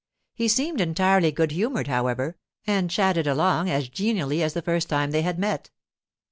He seemed entirely good humoured, however, and chatted along as genially as the first time they had met.